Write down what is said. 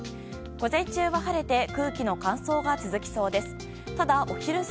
午前中は晴れて空気の乾燥が続きそうです。